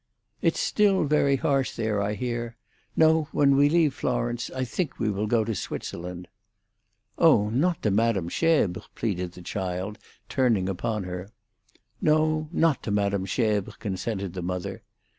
"It's still very harsh there, I hear. No; when we leave Florence, I think we will go to Switzerland." "Oh, not to Madame Schebres's," pleaded the child, turning upon her. "No, not to Madame Schebres," consented the mother.